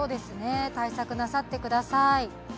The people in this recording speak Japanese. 対策なさってください。